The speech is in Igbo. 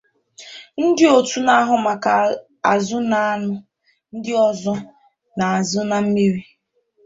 Ndị òtù na-ahụ maka azụ na anụ ndị ọzọ a na-azụ na mmiri